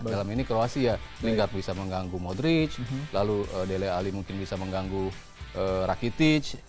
dalam ini kroasia linggard bisa mengganggu modric lalu dele alli mungkin bisa mengganggu rakitic